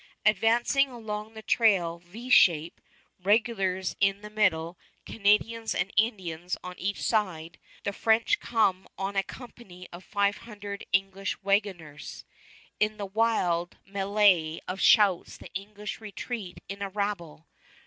Advancing along the trail V shape, regulars in the middle, Canadians and Indians on each side, the French come on a company of five hundred English wagoners. In the wild mêlée of shouts the English retreat in a rabble.